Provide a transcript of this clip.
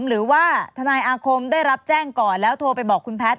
หรือว่าทนายอาคมได้รับแจ้งก่อนแล้วโทรไปบอกคุณแพทย